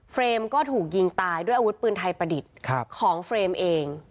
ก็ถูกยิงตายด้วยอาวุธปืนไทยประดิษฐ์ของเฟรมเอง